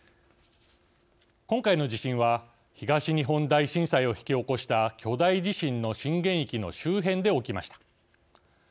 今回の地震は東日本大震災を引き起こした巨大地震の震源域の周辺で起きました。